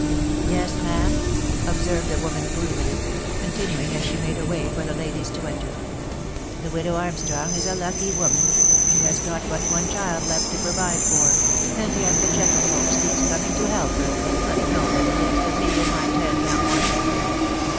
"Yes, ma'am," observed the woman gloomily; continuing as she made way for the ladies to enter, " The widow Armstrong is a lucky woman — she has got but one child left to provide for, and yet the gentlefolks keeps coming to help her, but nobody thinks of me and my ten young ones."